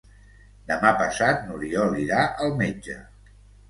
Demà passat n'Oriol irà al metge.